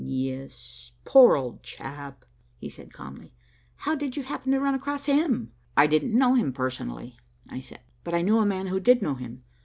"Yes, poor old chap," he said calmly. "How did you happen to run across him?" "I didn't know him personally," I said, "but I knew a man who did know him.